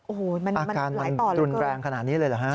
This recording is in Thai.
โอ้โฮอาการมันดุลแบงขนาดนี้เลยเหรอครับ